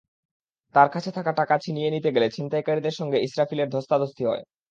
তাঁর কাছে থাকা টাকা ছিনিয়ে নিতে গেলে ছিনতাইকারীদের সঙ্গে ইসরাফিলের ধস্তাধস্তি হয়।